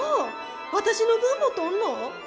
私の分も取るの。